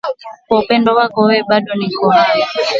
Kwa upendo wako wewe bado niko hai.